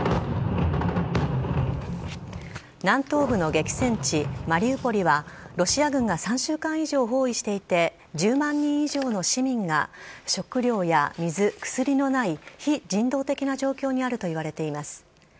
南東部の激戦地、マリウポリは、ロシア軍が３週間以上包囲していて、１０万人以上の市民が食料や水、薬のない非人道的な状況にあるといわれています。